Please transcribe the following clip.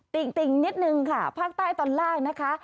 ติ่งติ่งนิดนึงค่ะภาคใต้ตอนล่างนะคะ